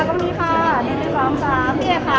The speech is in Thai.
ขอบคุณหนึ่งนะคะขอบคุณหนึ่งนะคะ